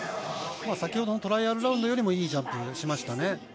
先ほどのトライアルラウンドよりも、いいジャンプしましたね。